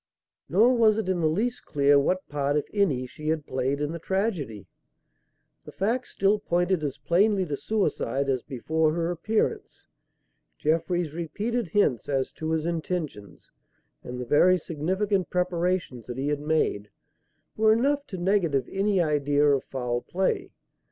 Nor was it in the least clear what part, if any, she had played in the tragedy. The facts still pointed as plainly to suicide as before her appearance. Jeffrey's repeated hints as to his intentions, and the very significant preparations that he had made, were enough to negative any idea of foul play.